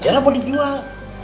jangan boleh dijual